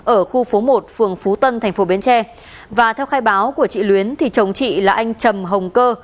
ở khu phố một phường phú tân tp bến tre và theo khai báo của chị luyến chồng chị là anh trầm hồng cơ